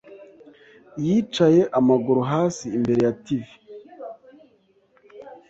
yicaye amaguru hasi imbere ya TV.